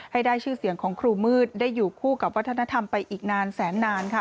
ให้ได้ชื่อเสียงของครูมืดได้อยู่คู่กับวัฒนธรรมไปอีกนานแสนนานค่ะ